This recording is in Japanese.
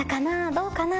どうかな？